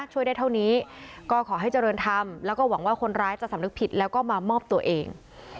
ช่วยได้เท่านี้ก็ขอให้เจริญธรรมแล้วก็หวังว่าคนร้ายจะสำนึกผิดแล้วก็มามอบตัวเอง